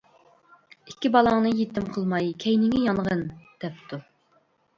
ئىككى بالاڭنى يېتىم قىلماي، كەينىڭگە يانغىن، -دەپتۇ.